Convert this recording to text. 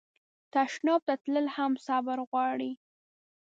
تشناب ته تلل هم صبر غواړي.